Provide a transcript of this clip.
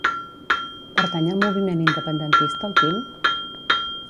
Pertany al moviment independentista el Tim?